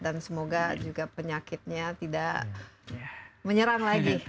dan semoga juga penyakitnya tidak menyerang lagi